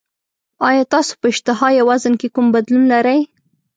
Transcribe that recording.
ایا تاسو په اشتها یا وزن کې کوم بدلون لرئ؟